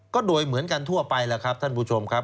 ก็โดยเหมือนกันทั่วไปแล้วครับท่านผู้ชมครับ